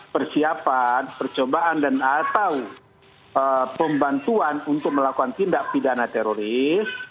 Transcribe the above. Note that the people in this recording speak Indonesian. persiapan percobaan dan atau pembantuan untuk melakukan tindak pidana teroris